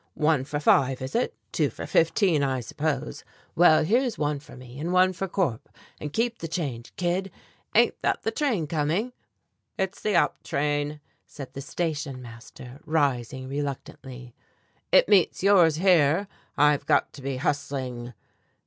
One for five, is it? Two for fifteen, I suppose. Well, here's one for me, and one for Corp, and keep the change, kid. Ain't that the train coming?" "It's the up train," said the station master, rising reluctantly; "it meets yours here. I've got to be hustling."